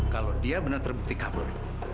kalau dia benar terbukti kabur